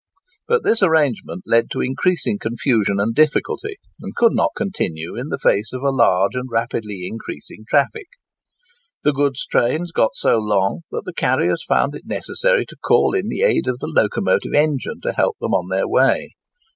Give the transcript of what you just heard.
But this arrangement led to increasing confusion and difficulty, and could not continue in the face of a large and rapidly increasing traffic. The goods trains got so long that the carriers found it necessary to call in the aid of the locomotive engine to help them on their way.